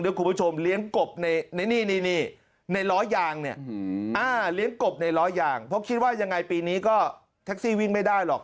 เดี๋ยวคุณผู้ชมเลี้ยงกบในร้อยางเนี่ยเพราะคิดว่ายังไงปีนี้ก็แท็กซี่วิ่งไม่ได้หรอก